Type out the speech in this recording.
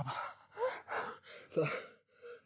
apa ya raul